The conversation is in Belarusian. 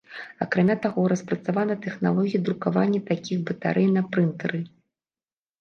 Акрамя таго, распрацавана тэхналогія друкавання такіх батарэй на прынтэры.